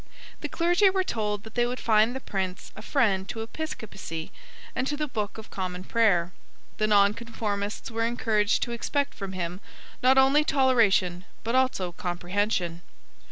The clergy were told that they would find the Prince a friend to episcopacy and to the Book of Common Prayer. The Nonconformists were encouraged to expect from him, not only toleration, but also comprehension.